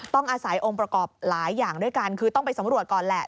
ต้องอาศัยองค์ประกอบหลายอย่างด้วยกันคือต้องไปสำรวจก่อนแหละ